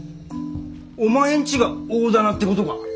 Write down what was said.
お前んちが大店ってことか！？